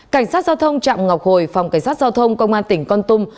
cảnh sát giao thông chạm ngọc hồi phòng cảnh sát giao thông công an tỉnh con tôm